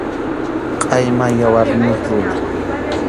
Qʼayma yawarniyuq runa.